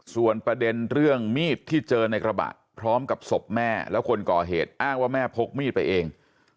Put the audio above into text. ส่วนประเด็นเรื่องมีดที่เจอในกระบะพร้อมกับศพแม่แล้วคนก่อเหตุอ้างว่าแม่พกมีดไปเอง